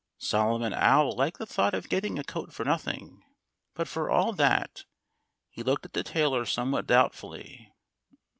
Solomon Owl liked the thought of getting a coat for nothing. But for all that, he looked at the tailor somewhat doubtfully.